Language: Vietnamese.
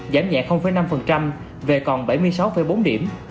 giảm nhẹ năm về còn bảy mươi sáu bốn điểm